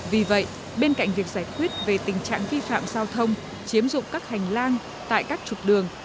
vì vậy bên cạnh việc giải quyết về tình trạng vi phạm giao thông chiếm dụng các hành lang tại các trục đường